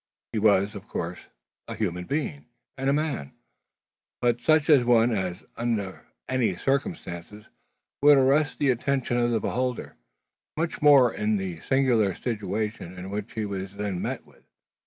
He was, of course, a human being, and a man; but such an one as, under any circumstances, would arrest the attention of the beholder; much more in the singular situation in which he was then met with.